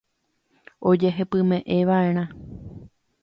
Oñehepymeʼẽvaʼerã.